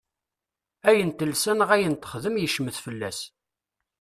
Ayen telsa neɣ ayen texdem yecmet fell-as.